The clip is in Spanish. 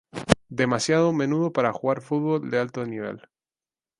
Demasiado menudo para jugar fútbol de alto nivel.